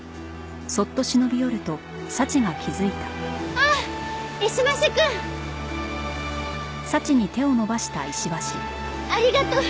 あっ石橋くん。ありがとう。